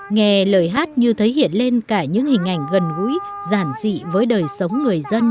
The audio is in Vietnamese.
nghe lời hát như thể hiện lên cả những hình ảnh gần gũi giản dị với đời sống người dân